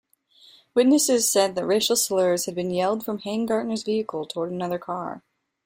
Witnesses said that racial slurs had been yelled from Hangartner's vehicle toward another car.